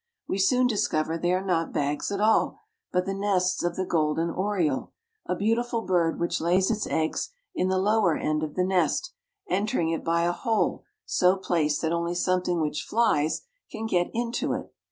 We soon discover they are not bags at all, but the nests of the golden oriole, a beautiful bird which lays its eggs in the lower end of the nest, entering it by a hole so placed that only something which flies can get into it.